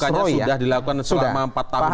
jadi belusukannya sudah dilakukan selama empat tahun ini